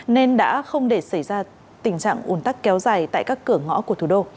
nên đã không để xảy ra tình trạng ủn tắc kéo dài tại các cửa ngõ của thủ đô